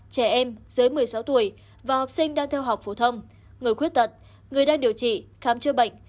trẻ em dưới một mươi sáu tuổi và học sinh đang theo học phổ thông người khuyết tật người đang điều trị khám chữa bệnh